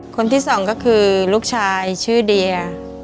คนที่สองก็คือลูกชายชื่อเดีย